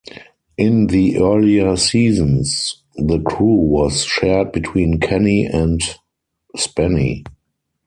In the earlier seasons, the crew was shared between Kenny and Spenny.